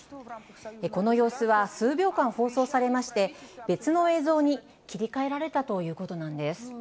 この様子は数秒間放送されまして、別の映像に切り替えられたということなんです。